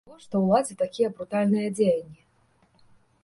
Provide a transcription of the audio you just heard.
Навошта ўладзе такія брутальныя дзеянні?